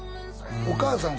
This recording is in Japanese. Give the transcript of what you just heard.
お母さん